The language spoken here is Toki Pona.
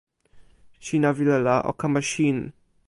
sina wile la o kama sin.